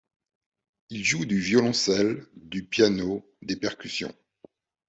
Il joue du violoncelle, du piano, des percussions.